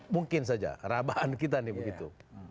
mungkin saja rabaan kita nih begitu